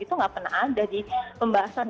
itu nggak pernah ada di pembahasan